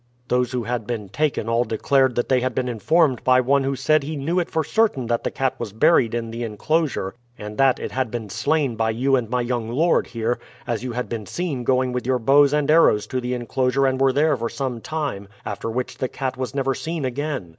"Those who had been taken all declared that they had been informed by one who said he knew it for certain that the cat was buried in the inclosure, and that it had been slain by you and my young lord here, as you had been seen going with your bows and arrows to the inclosure and were there for some time, after which the cat was never seen again.